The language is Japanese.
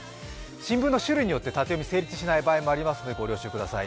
新聞の種類によって縦読み、成立しない場合もありますのでご了承ください。